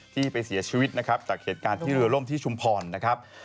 ที่ไปเสียชีวิตนะครับจากเหตุการณ์ที่เรือล่มที่ชุมพรนะครับ